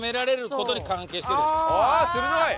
ああ鋭い！